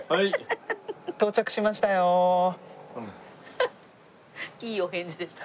フフッいいお返事でした。